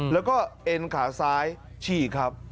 แล้วก็เอ็นขาซ้ายฉีกครับ